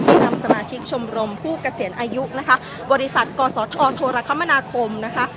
นำสมาชิกชมรมผู้เกษียณอายุนะคะบริษัทกศธโทรคมนาคมนะคะ